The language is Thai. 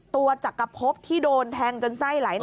จักรพบที่โดนแทงจนไส้ไหล